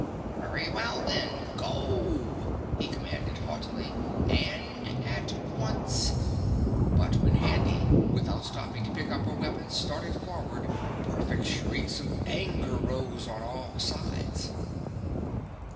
"Very well, then, GO!" he commanded haughtily. "And at once!" But when Handy, without stopping to pick up her weapons, started forward, perfect shrieks of anger rose on all sides.